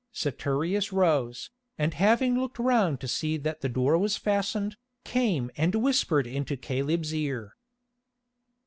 Saturius rose, and having looked round to see that the door was fastened, came and whispered into Caleb's ear.